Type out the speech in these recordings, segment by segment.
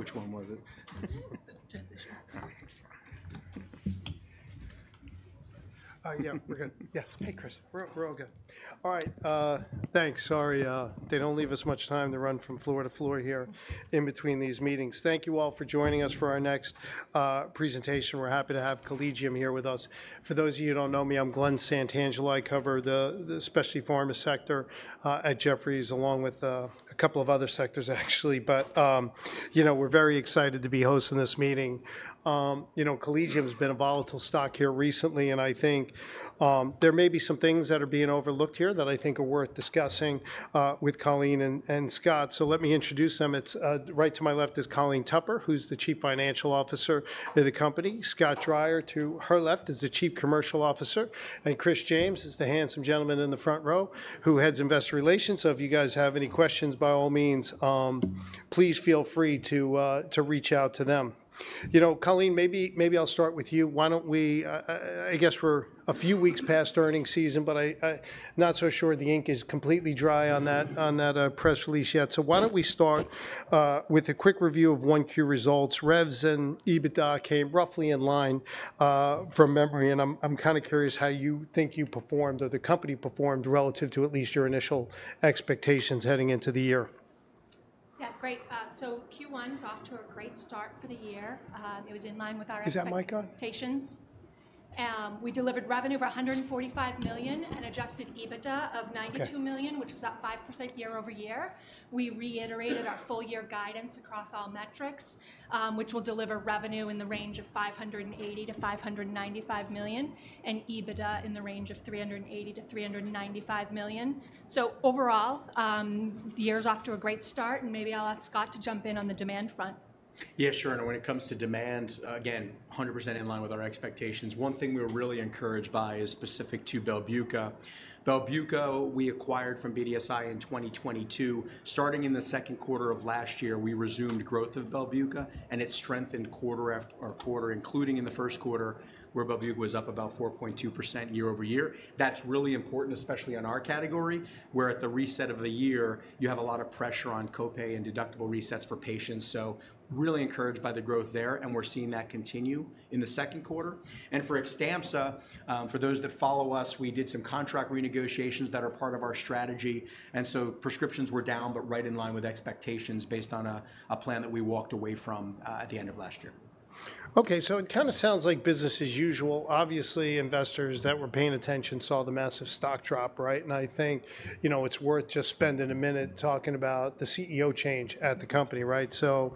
Which one was it? The transition. Yeah, we're good. Yeah. Hey, Chris. We're all good. All right, thanks. Sorry, they don't leave us much time to run from floor to floor here in between these meetings. Thank you all for joining us for our next presentation. We're happy to have Collegium here with us. For those of you who don't know me, I'm Glenn Santangelo. I cover the specialty pharma sector at Jefferies, along with a couple of other sectors, actually. But you know, Collegium's been a volatile stock here recently, and I think there may be some things that are being overlooked here that I think are worth discussing with Colleen and Scott. So let me introduce them. It's right to my left is Colleen Tupper, who's the Chief Financial Officer of the company. Scott Dreyer, to her left, is the Chief Commercial Officer, and Chris James is the handsome gentleman in the front row, who heads Investor Relations. So if you guys have any questions, by all means, please feel free to reach out to them. You know, Colleen, maybe, maybe I'll start with you. Why don't we... I guess we're a few weeks past earnings season, but I'm not so sure the ink is completely dry on that press release yet. So why don't we start with a quick review of 1Q results. Revs and EBITDA came roughly in line, from memory, and I'm kinda curious how you think you performed, or the company performed, relative to at least your initial expectations heading into the year. Yeah, great. So Q1 is off to a great start for the year. It was in line with our expectations- Is that mic on? We delivered revenue of $145 million and Adjusted EBITDA- Okay of $92 million, which was up 5% year-over-year. We reiterated our full year guidance across all metrics, which will deliver revenue in the range of $580 million-$595 million, and EBITDA in the range of $380 million-$395 million. So overall, the year is off to a great start, and maybe I'll ask Scott to jump in on the demand front. Yeah, sure, and when it comes to demand, again, 100% in line with our expectations. One thing we were really encouraged by is specific to BELBUCA. BELBUCA, we acquired from BDSI in 2022. Starting in the second quarter of last year, we resumed growth of BELBUCA, and it strengthened quarter after quarter, including in the first quarter, where BELBUCA was up about 4.2% year-over-year. That's really important, especially on our category, where at the reset of the year, you have a lot of pressure on co-pay and deductible resets for patients. So really encouraged by the growth there, and we're seeing that continue in the second quarter. For Xtampza, for those that follow us, we did some contract renegotiations that are part of our strategy, and so prescriptions were down but right in line with expectations based on a plan that we walked away from at the end of last year. Okay, so it kinda sounds like business as usual. Obviously, investors that were paying attention saw the massive stock drop, right? And I think, you know, it's worth just spending a minute talking about the CEO change at the company, right? So,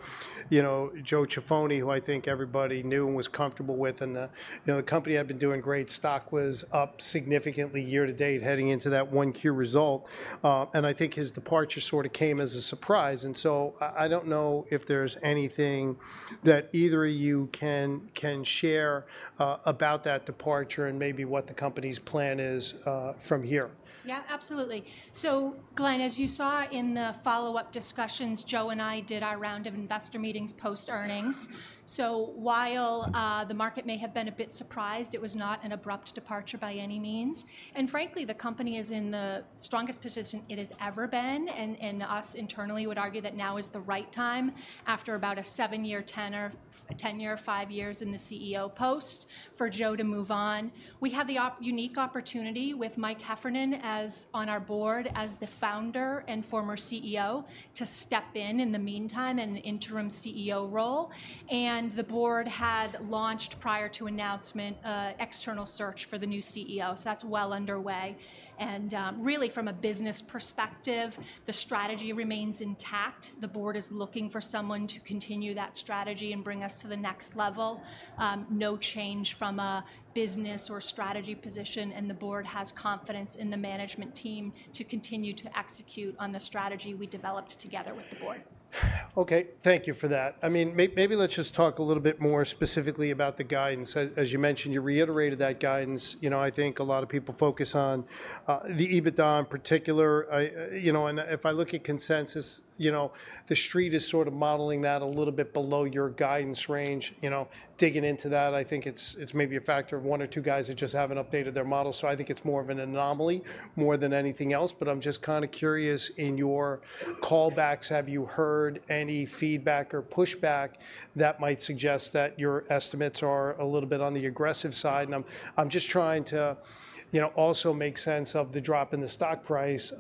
you know, Joe Ciaffoni, who I think everybody knew and was comfortable with, and the... You know, the company had been doing great. Stock was up significantly year to date, heading into that 1Q result. And I think his departure sorta came as a surprise, and so I don't know if there's anything that either of you can share about that departure and maybe what the company's plan is from here. Yeah, absolutely. So Glenn, as you saw in the follow-up discussions, Joe and I did our round of investor meetings post-earnings. So while the market may have been a bit surprised, it was not an abrupt departure by any means. And frankly, the company is in the strongest position it has ever been, and us internally would argue that now is the right time after about a sevefive-year tenure, 5 years in the CEO post, for Joe to move on. We had the unique opportunity with Mike Heffernan as on our board, as the founder and former CEO, to step in in the meantime in an interim CEO role, and the board had launched, prior to announcement, an external search for the new CEO. So that's well underway, and really, from a business perspective, the strategy remains intact. The board is looking for someone to continue that strategy and bring us to the next level. No change from a business or strategy position, and the board has confidence in the management team to continue to execute on the strategy we developed together with the board. Okay, thank you for that. I mean, maybe let's just talk a little bit more specifically about the guidance. As you mentioned, you reiterated that guidance. You know, I think a lot of people focus on the EBITDA in particular. I you know, and if I look at consensus, you know, the treet is sort of modeling that a little bit below your guidance range. You know, digging into that, I think it's maybe a factor of one or two guys that just haven't updated their models, so I think it's more of an anomaly more than anything else. But I'm just kinda curious, in your callbacks, have you heard any feedback or pushback that might suggest that your estimates are a little bit on the aggressive side? I'm just trying to, you know, also make sense of the drop in the stock price,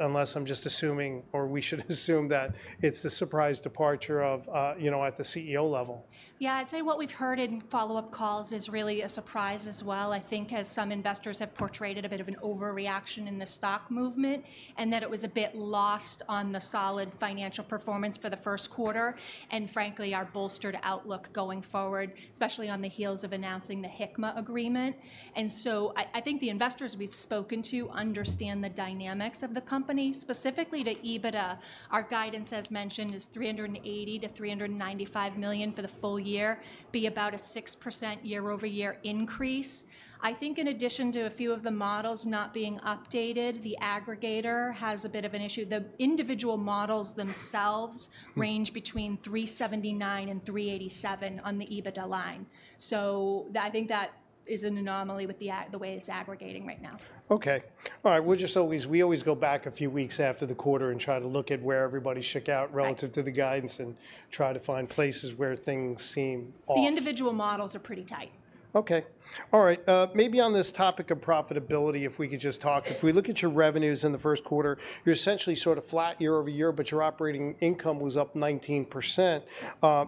unless I'm just assuming, or we should assume that it's the surprise departure of, you know, at the CEO level. Yeah, I'd say what we've heard in follow-up calls is really a surprise as well. I think as some investors have portrayed it, a bit of an overreaction in the stock movement, and that it was a bit lost on the solid financial performance for the first quarter, and frankly, our bolstered outlook going forward, especially on the heels of announcing the Hikma agreement. And so I, I think the investors we've spoken to understand the dynamics of the company. Specifically, to EBITDA, our guidance, as mentioned, is $380 million-$395 million for the full year, being about a 6% year-over-year increase. I think in addition to a few of the models not being updated, the aggregator has a bit of an issue. The individual models themselves- Mm... range between 379 and 387 on the EBITDA line. So I think that is an anomaly with the way it's aggregating right now. Okay. All right, we always go back a few weeks after the quarter and try to look at where everybody shook out- Right... relative to the guidance and try to find places where things seem off. The individual models are pretty tight.... Okay. All right, maybe on this topic of profitability, if we could just talk. If we look at your revenues in the first quarter, you're essentially sort of flat year-over-year, but your operating income was up 19%.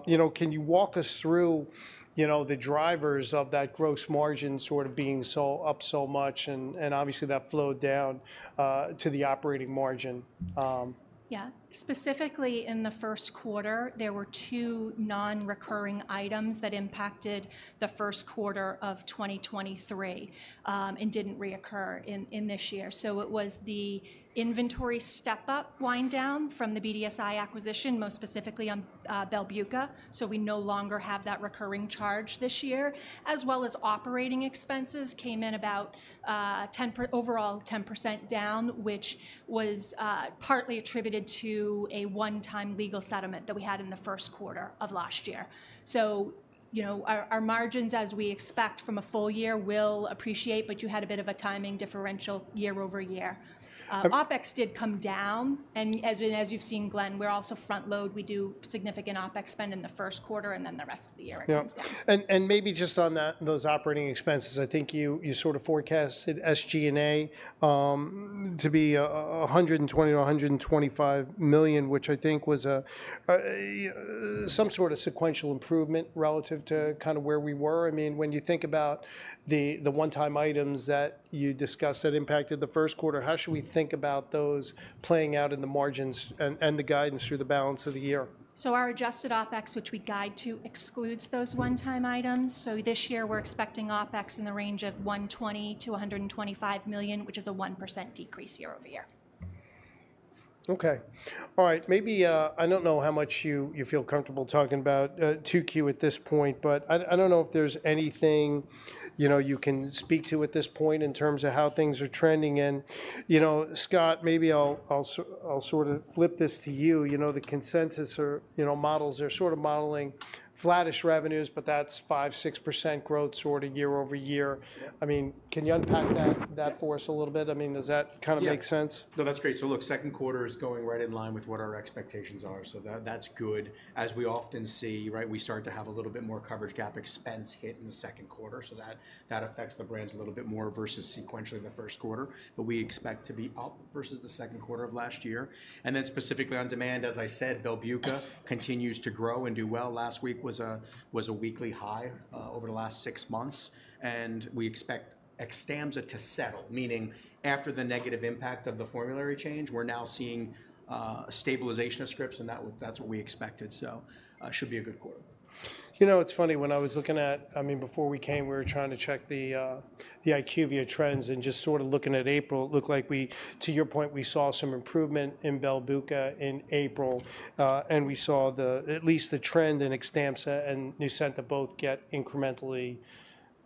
You know, can you walk us through, you know, the drivers of that gross margin sort of being so up so much, and, and obviously, that flowed down to the operating margin. Yeah. Specifically, in the first quarter, there were two non-recurring items that impacted the first quarter of 2023, and didn't reoccur in, in this year. So it was the inventory step-up wind-down from the BDSI acquisition, most specifically on, BELBUCA, so we no longer have that recurring charge this year, as well as operating expenses came in about, overall 10% down, which was, partly attributed to a one-time legal settlement that we had in the first quarter of last year. So, you know, our, our margins, as we expect from a full year, will appreciate, but you had a bit of a timing differential year-over-year. Uh- OpEx did come down, and as you've seen, Glenn, we're also front-loading. We do significant OpEx spend in the first quarter, and then the rest of the year it comes down. Yeah. And maybe just on that, those operating expenses, I think you sort of forecasted SG&A to be $120 million-$125 million, which I think was some sort of sequential improvement relative to kinda where we were. I mean, when you think about the one-time items that you discussed that impacted the first quarter, how should we think about those playing out in the margins and the guidance through the balance of the year? So our adjusted OpEx, which we guide to, excludes those one-time items, so this year we're expecting OpEx in the range of $120 million to $125 million, which is a 1% decrease year-over-year. Okay. All right. Maybe, I don't know how much you, you feel comfortable talking about, 2Q at this point, but I, I don't know if there's anything, you know, you can speak to at this point in terms of how things are trending. And, you know, Scott, maybe I'll, I'll sort of flip this to you. You know, the consensus or, you know, models are sort of modeling flattish revenues, but that's 5%-6% growth sort of year-over-year. Yeah. I mean, can you unpack that? Yeah... that for us a little bit? I mean, does that kinda- Yeah... make sense? No, that's great. So look, second quarter is going right in line with what our expectations are, so that's good. As we often see, right, we start to have a little bit more coverage gap expense hit in the second quarter, so that affects the brands a little bit more versus sequentially in the first quarter. But we expect to be up versus the second quarter of last year. And then specifically on demand, as I said, BELBUCA continues to grow and do well. Last week was a weekly high over the last six months, and we expect XTAMPZA to settle, meaning after the negative impact of the formulary change, we're now seeing stabilization of scripts, and that's what we expected, so should be a good quarter. You know, it's funny, when I was looking at... I mean, before we came, we were trying to check the IQVIA trends, and just sort of looking at April, it looked like we, to your point, we saw some improvement in BELBUCA in April. And we saw the - at least the trend in Xtampza and Nucynta both get incrementally...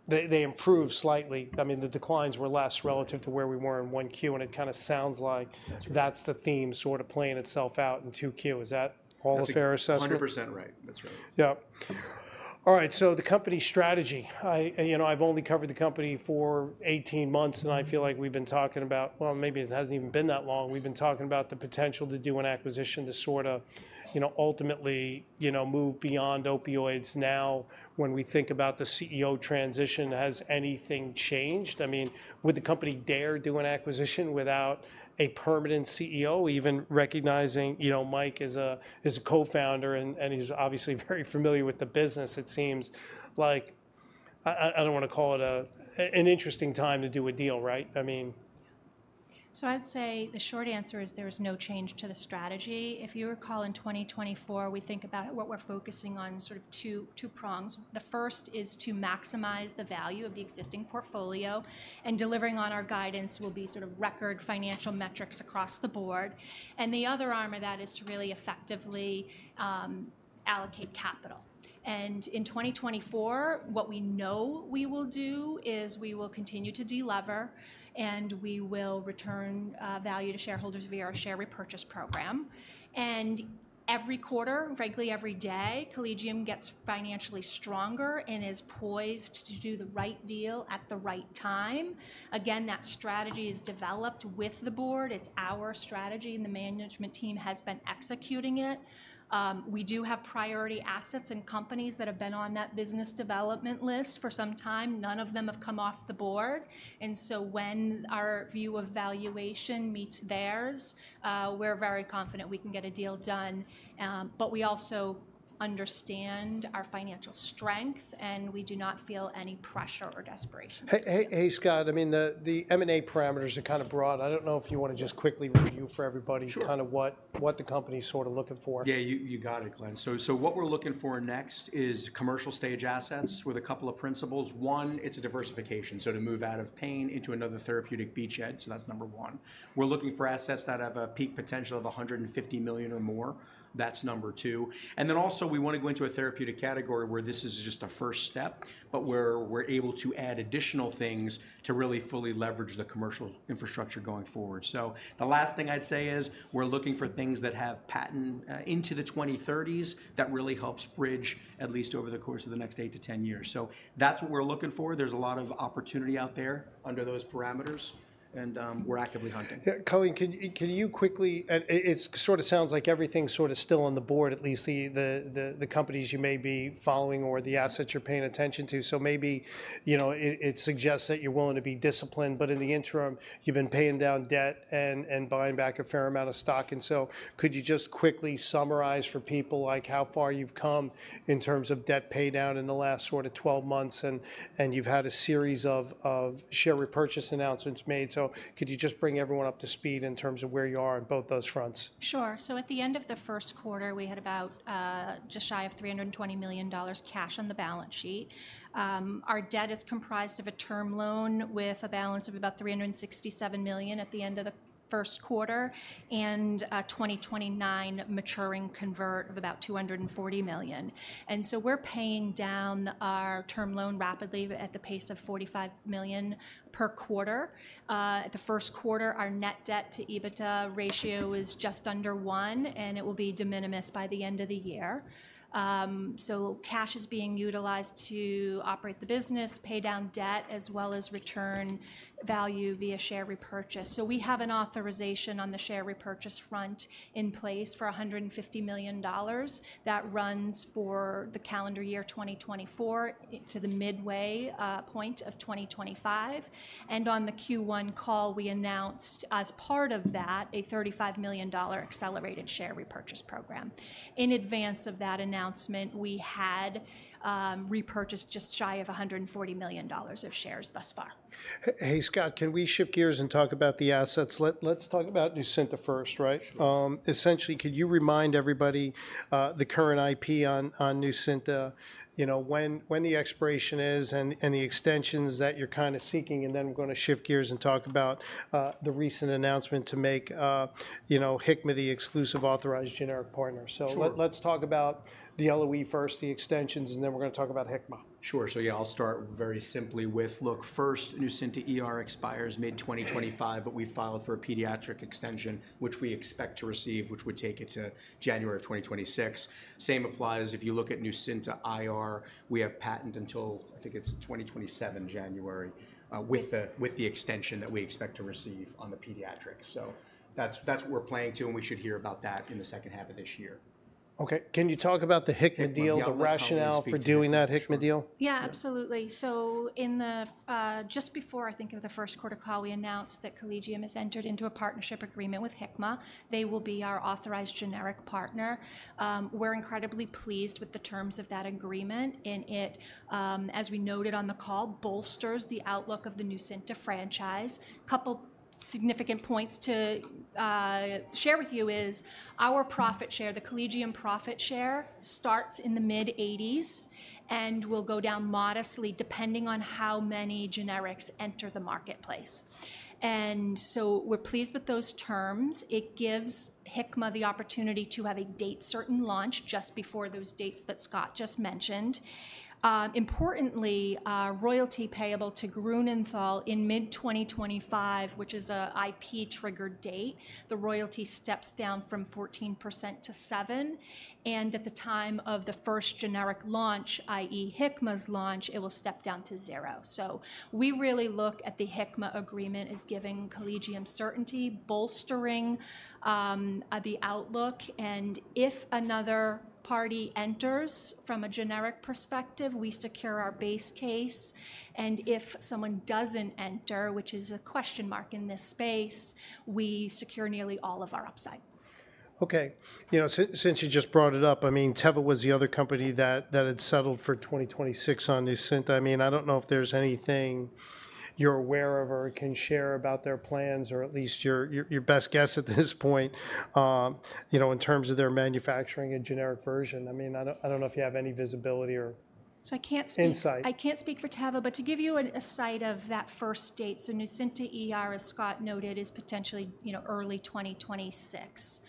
They, they improved slightly. I mean, the declines were less relative to where we were in 1Q, and it kinda sounds like- That's right... that's the theme sort of playing itself out in 2Q. Is that all a fair assessment? That's 100% right. That's right. Yep. All right, so the company strategy. I—you know, I've only covered the company for 18 months, and I feel like we've been talking about... Well, maybe it hasn't even been that long. We've been talking about the potential to do an acquisition to sort of, you know, ultimately, you know, move beyond opioids. Now, when we think about the CEO transition, has anything changed? I mean, would the company dare do an acquisition without a permanent CEO, even recognizing, you know, Mike is a co-founder, and he's obviously very familiar with the business? It seems like, I don't wanna call it an interesting time to do a deal, right? I mean... So I'd say the short answer is there is no change to the strategy. If you recall, in 2024, we think about what we're focusing on sort of two prongs. The first is to maximize the value of the existing portfolio, and delivering on our guidance will be sort of record financial metrics across the board. The other arm of that is to really effectively allocate capital. And in 2024, what we know we will do is we will continue to de-lever, and we will return value to shareholders via our share repurchase program. And every quarter, frankly, every day, Collegium gets financially stronger and is poised to do the right deal at the right time. Again, that strategy is developed with the board. It's our strategy, and the management team has been executing it. We do have priority assets and companies that have been on that business development list for some time. None of them have come off the board. And so when our view of valuation meets theirs, we're very confident we can get a deal done. But we also understand our financial strength, and we do not feel any pressure or desperation. Hey, hey, hey, Scott, I mean, the M&A parameters are kind of broad. I don't know if you wanna just quickly review for everybody- Sure... kind of what, what the company's sort of looking for. Yeah, you, you got it, Glenn. So, so what we're looking for next is commercial stage assets with a couple of principles. One, it's a diversification, so to move out of pain into another therapeutic beachhead, so that's number one. We're looking for assets that have a peak potential of $150 million or more. That's number two. And then also, we wanna go into a therapeutic category where this is just a first step, but where we're able to add additional things to really fully leverage the commercial infrastructure going forward. So the last thing I'd say is, we're looking for things that have patent into the 2030s. That really helps bridge at least over the course of the next 8-10 years. So that's what we're looking for. There's a lot of opportunity out there under those parameters, and we're actively hunting. Yeah, Colleen, can you quickly... And it sort of sounds like everything's sort of still on the board, at least the companies you may be following or the assets you're paying attention to. So maybe, you know, it suggests that you're willing to be disciplined, but in the interim, you've been paying down debt and buying back a fair amount of stock. And so could you just quickly summarize for people, like, how far you've come in terms of debt paydown in the last sort of 12 months and you've had a series of share repurchase announcements made? So could you just bring everyone up to speed in terms of where you are on both those fronts? Sure. So at the end of the first quarter, we had about, just shy of $320 million cash on the balance sheet. Our debt is comprised of a term loan with a balance of about $367 million at the end of the first quarter, and 2029 maturing convert of about $240 million. So we're paying down our term loan rapidly at the pace of $45 million per quarter. At the first quarter, our net debt to EBITDA ratio is just under one, and it will be de minimis by the end of the year. So cash is being utilized to operate the business, pay down debt, as well as return value via share repurchase. So we have an authorization on the share repurchase front in place for $150 million. That runs for the calendar year 2024 to the midway point of 2025. And on the Q1 call, we announced, as part of that, a $35 million accelerated share repurchase program. In advance of that announcement, we had repurchased just shy of $140 million of shares thus far. Hey, Scott, can we shift gears and talk about the assets? Let's talk about Nucynta first, right? Sure. Essentially, could you remind everybody the current IP on Nucynta, you know, when the expiration is, and the extensions that you're kinda seeking, and then we're gonna shift gears and talk about the recent announcement to make, you know, Hikma the exclusive authorized generic partner. Sure. So let's talk about the LOE first, the extensions, and then we're gonna talk about Hikma. Sure. So yeah, I'll start very simply with, look, first, Nucynta ER expires mid-2025, but we filed for a pediatric extension, which we expect to receive, which would take it to January of 2026. Same applies if you look at Nucynta IR. We have patent until, I think it's 2027, January, with the extension that we expect to receive on the pediatrics. So that's what we're planning to, and we should hear about that in the second half of this year. Okay. Can you talk about the Hikma deal? Yeah. the rationale for doing that Hikma deal? Sure. Yeah, absolutely. So in the... Just before, I think, the first quarter call, we announced that Collegium has entered into a partnership agreement with Hikma. They will be our authorized generic partner. We're incredibly pleased with the terms of that agreement, and it, as we noted on the call, bolsters the outlook of the Nucynta franchise. Couple significant points to share with you is our profit share, the Collegium profit share, starts in the mid-eighties and will go down modestly, depending on how many generics enter the marketplace. And so we're pleased with those terms. It gives Hikma the opportunity to have a date-certain launch just before those dates that Scott just mentioned. Importantly, royalty payable to Grünenthal in mid-2025, which is a IP trigger date, the royalty steps down from 14% to 7%, and at the time of the first generic launch, i.e., Hikma's launch, it will step down to zero. So we really look at the Hikma agreement as giving Collegium certainty, bolstering the outlook, and if another party enters from a generic perspective, we secure our base case, and if someone doesn't enter, which is a question mark in this space, we secure nearly all of our upside. Okay. You know, since you just brought it up, I mean, Teva was the other company that had settled for 2026 on Nucynta. I mean, I don't know if there's anything you're aware of or can share about their plans, or at least your best guess at this point, you know, in terms of their manufacturing a generic version. I mean, I don't know if you have any visibility or- So I can't speak- - insight. I can't speak for Teva, but to give you an, a sight of that first date, so Nucynta ER, as Scott noted, is potentially, you know, early 2026.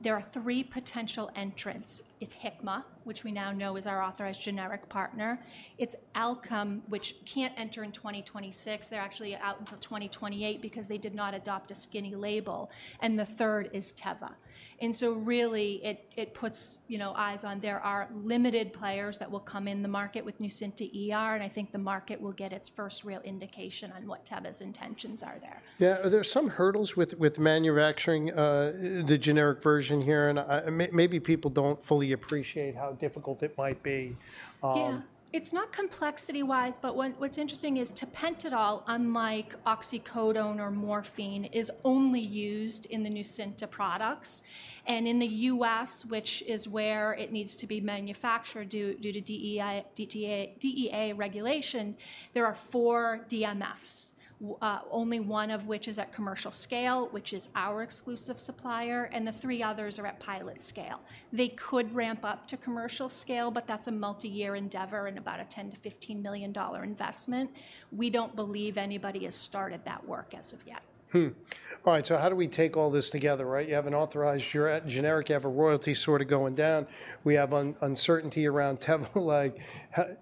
There are three potential entrants: It's Hikma, which we now know is our authorized generic partner. It's Alkem, which can't enter in 2026, they're actually out until 2028 because they did not adopt a skinny label. And the third is Teva. And so really, it, it puts, you know, eyes on there are limited players that will come in the market with Nucynta ER, and I think the market will get its first real indication on what Teva's intentions are there. Yeah. Are there some hurdles with manufacturing the generic version here? Maybe people don't fully appreciate how difficult it might be. Yeah. It's not complexity-wise, but what's interesting is tapentadol, unlike oxycodone or morphine, is only used in the Nucynta products, and in the US, which is where it needs to be manufactured due to DEA regulation, there are four DMFs, only one of which is at commercial scale, which is our exclusive supplier, and the three others are at pilot scale. They could ramp up to commercial scale, but that's a multi-year endeavor and about a $10-$15 million investment. We don't believe anybody has started that work as of yet. All right, so how do we take all this together, right? You have an authorized generic, you have a royalty sort of going down, we have uncertainty around Teva. Like,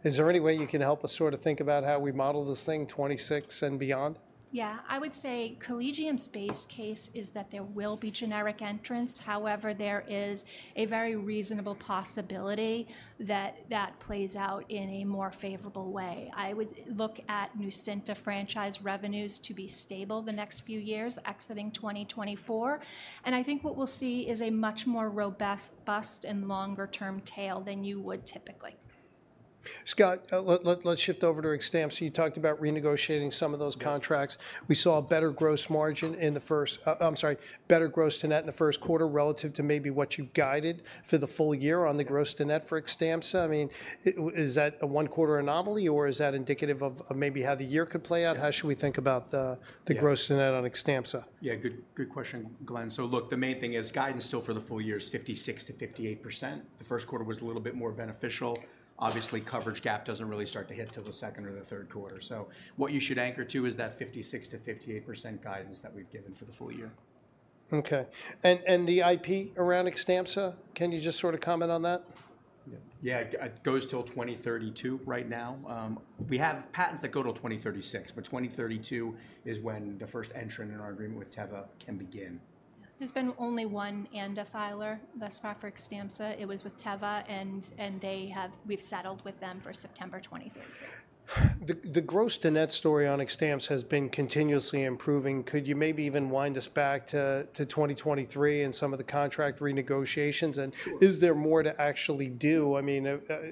is there any way you can help us sort of think about how we model this thing 2026 and beyond? Yeah. I would say Collegium's base case is that there will be generic entrants. However, there is a very reasonable possibility that that plays out in a more favorable way. I would look at Nucynta franchise revenues to be stable the next few years, exiting 2024, and I think what we'll see is a much more robust, bust, and longer-term tail than you would typically. Scott, let's shift over to Xtampza. You talked about renegotiating some of those contracts. Yeah. We saw a better gross margin in the first. I'm sorry, better gross-to-net in the first quarter relative to maybe what you guided for the full year on the- Yeah gross to net for Xtampza. I mean, is that a one-quarter anomaly, or is that indicative of maybe how the year could play out? How should we think about the- Yeah the gross to net on Xtampza? Yeah, good, good question, Glenn. So look, the main thing is guidance still for the full year is 56%-58%. The first quarter was a little bit more beneficial. Obviously, Coverage Gap doesn't really start to hit till the second or the third quarter. So what you should anchor to is that 56%-58% guidance that we've given for the full year.... Okay. And the IP around Xtampza, can you just sort of comment on that? Yeah, it goes till 2032 right now. We have patents that go till 2036, but 2032 is when the first entrant in our agreement with Teva can begin. There's been only one ANDA filer thus far for Xtampza. It was with Teva, and we've settled with them for September twenty thirty-two. The Gross-to-Net story on Xtampza has been continuously improving. Could you maybe even wind us back to 2023 and some of the contract renegotiations? Sure. And is there more to actually do? I mean,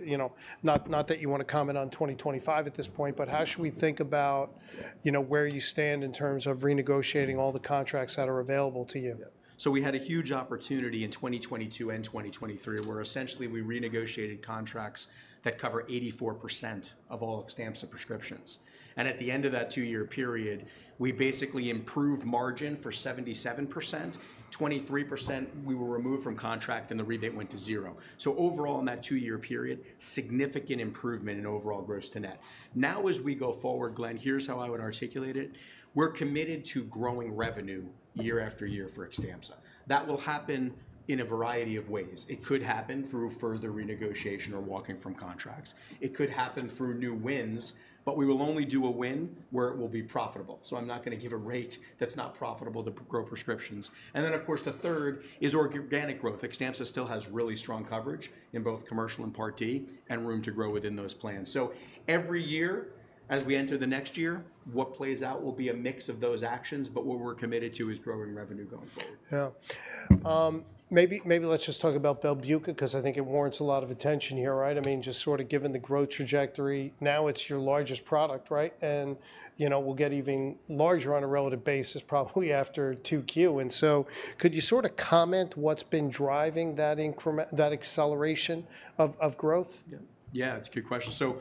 you know, not that you wanna comment on 2025 at this point, but how should we think about- Yeah... you know, where you stand in terms of renegotiating all the contracts that are available to you? Yeah. So we had a huge opportunity in 2022 and 2023, where essentially we renegotiated contracts that cover 84% of all Xtampza prescriptions. And at the end of that two-year period, we basically improved margin for 77%. 23%, we were removed from contract, and the rebate went to zero. So overall, in that two-year period, significant improvement in overall gross-to-net. Now, as we go forward, Glenn, here's how I would articulate it: We're committed to growing revenue year after year for Xtampza. That will happen in a variety of ways. It could happen through further renegotiation or walking from contracts. It could happen through new wins, but we will only do a win where it will be profitable. So I'm not gonna give a rate that's not profitable to grow prescriptions. And then, of course, the third is organic growth. Xtampza still has really strong coverage in both commercial and Part D and room to grow within those plans. So every year, as we enter the next year, what plays out will be a mix of those actions, but what we're committed to is growing revenue going forward. Yeah. Maybe, maybe let's just talk about BELBUCA 'cause I think it warrants a lot of attention here, right? I mean, just sort of given the growth trajectory, now it's your largest product, right? And, you know, will get even larger on a relative basis, probably after 2Q. And so could you sort of comment what's been driving that increment... that acceleration of, of growth? Yeah. Yeah, it's a good question. So,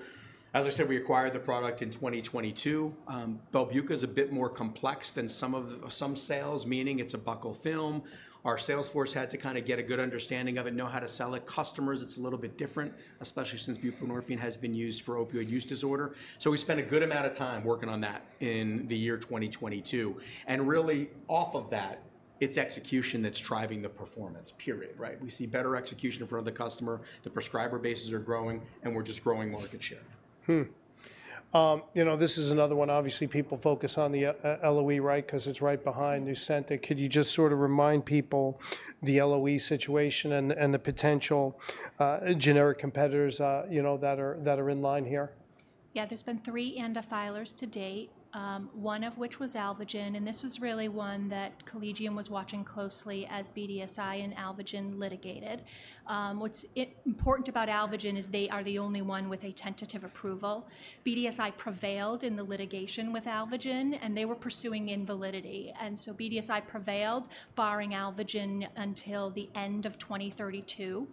as I said, we acquired the product in 2022. Belbuca's a bit more complex than some of the- some sales, meaning it's a buccal film. Our sales force had to kinda get a good understanding of it, know how to sell it. Customers, it's a little bit different, especially since buprenorphine has been used for opioid use disorder. So we spent a good amount of time working on that in the year 2022, and really, off of that, it's execution that's driving the performance, period, right? We see better execution in front of the customer, the prescriber bases are growing, and we're just growing market share. You know, this is another one. Obviously, people focus on the LOE, right? 'Cause it's right behind Nucynta. Could you just sort of remind people the LOE situation and the potential generic competitors, you know, that are in line here? Yeah. There's been three ANDA filers to date, one of which was Alvogen, and this is really one that Collegium was watching closely as BDSI and Alvogen litigated. What's it important about Alvogen is they are the only one with a tentative approval. BDSI prevailed in the litigation with Alvogen, and they were pursuing invalidity, and so BDSI prevailed, barring Alvogen until the end of 2032.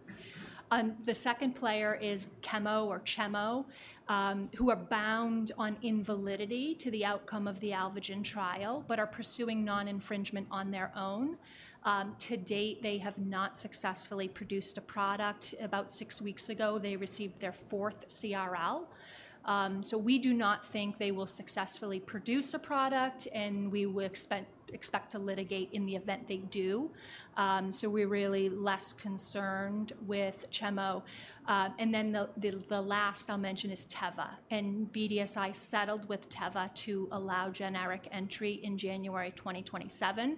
The second player is Chemo, who are bound on invalidity to the outcome of the Alvogen trial, but are pursuing non-infringement on their own. To date, they have not successfully produced a product. About six weeks ago, they received their fourth CRL. So we do not think they will successfully produce a product, and we will expect to litigate in the event they do. So we're really less concerned with Chemo. And then the last I'll mention is Teva, and BDSI settled with Teva to allow generic entry in January 2027.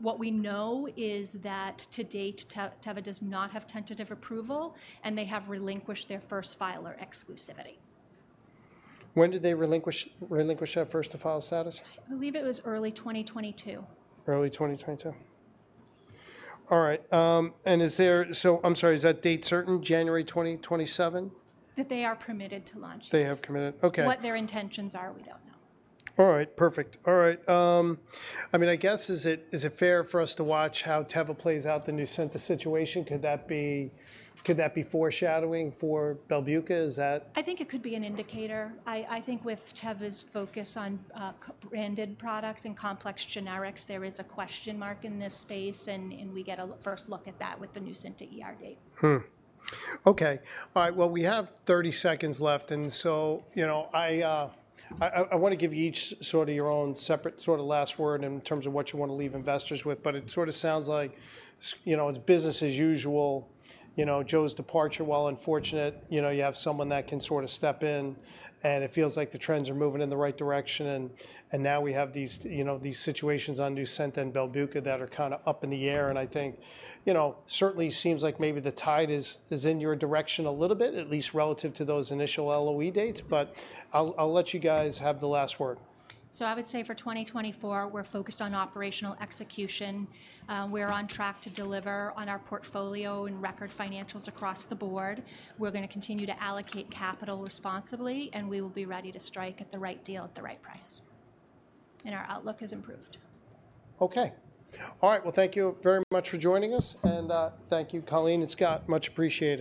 What we know is that, to date, Teva does not have tentative approval, and they have relinquished their first filer exclusivity. When did they relinquish that first to file status? I believe it was early 2022. Early 2022. All right, and is there... So I'm sorry, is that date certain, January 2027? That they are permitted to launch, yes. They have permitted, okay. What their intentions are, we don't know. All right. Perfect. All right, I mean, I guess, is it fair for us to watch how Teva plays out the Nucynta situation? Could that be foreshadowing for BELBUCA? Is that- I think it could be an indicator. I think with Teva's focus on branded products and complex generics, there is a question mark in this space, and we get a first look at that with the Nucynta ER date. Hmm. Okay. All right, well, we have 30 seconds left, and so, you know, I, I, I wanna give you each sort of your own separate sort of last word in terms of what you wanna leave investors with, but it sorta sounds like you know, it's business as usual. You know, Joe's departure, while unfortunate, you know, you have someone that can sort of step in, and it feels like the trends are moving in the right direction, and, and now we have these, you know, these situations on Nucynta and BELBUCA that are kinda up in the air, and I think, you know, certainly seems like maybe the tide is, is in your direction a little bit, at least relative to those initial LOE dates. Mm-hmm. But I'll let you guys have the last word. I would say for 2024, we're focused on operational execution. We're on track to deliver on our portfolio and record financials across the board. We're gonna continue to allocate capital responsibly, and we will be ready to strike at the right deal at the right price, and our outlook has improved. Okay. All right, well, thank you very much for joining us, and thank you, Colleen and Scott. Much appreciated.